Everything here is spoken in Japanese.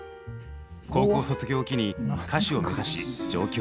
高校卒業を機に歌手を目指し上京。